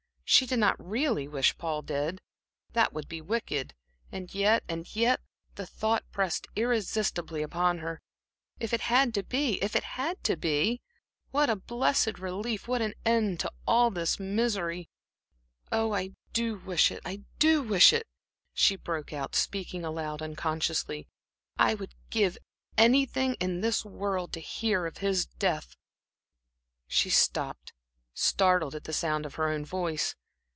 She did not really wish Paul dead that would be wicked. And yet and yet the thought pressed irresistibly upon her if it had to be! if it had to be! What a blessed relief what an end to all this misery! "Oh, I do wish it, I do wish it!" she broke out, speaking aloud, unconsciously. "I would give anything in this world to hear of his death." She stopped, startled at the sound of her own voice.